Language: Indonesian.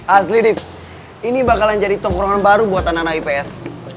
asli div ini bakalan jadi tongkrongan baru buat anak anak ips